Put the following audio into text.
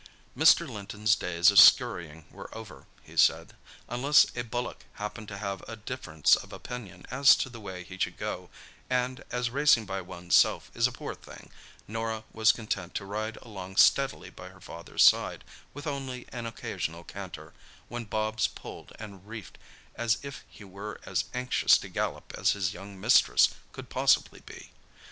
Mr. Linton's days of scurrying were over, he said, unless a bullock happened to have a difference of opinion as to the way he should go, and, as racing by one's self is a poor thing Norah was content to ride along steadily by her father's side, with only an occasional canter, when Bobs pulled and reefed as if he were as anxious to gallop as his young mistress could possibly be.